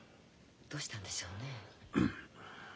どうしたんでしょうね。